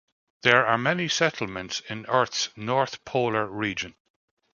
There are many settlements in Earth's north polar region.